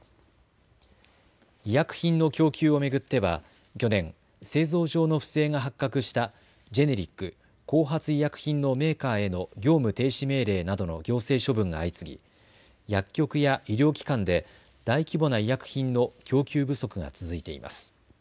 医薬品の供給を巡っては去年、製造上の不正が発覚したジェネリック・後発医薬品のメーカーへの業務停止命令などの行政処分が相次ぎ薬局や医療機関で大規模な医薬品の供給不足が続いています。